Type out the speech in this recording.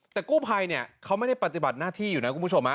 แต่กู้ภัยเนี่ยเขาไม่ได้ปฏิบัติหน้าที่อยู่นะคุณผู้ชม